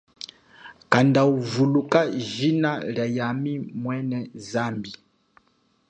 Kanda uvuluka jina lia yami mwene zambi.